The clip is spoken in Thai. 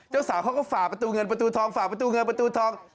เจ้าสาวเขาก็ฝ่าประตูเงินประตูทองฝากประตูเงินประตูทอง